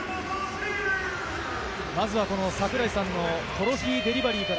まずはこの櫻井さんのトロフィーデリバリーか